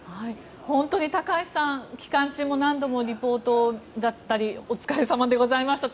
本当に高橋さん、期間中も何度もリポートだったりお疲れ様でございました。